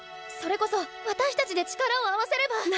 それこそ私たちで力を合わせれば！